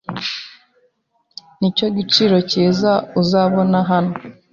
Nicyo giciro cyiza uzabona hano